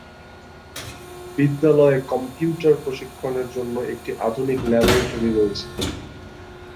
বিদ্যালয়ে কম্পিউটার প্রশিক্ষণের জন্য একটি আধুনিক ল্যাবরেটরি রয়েছে।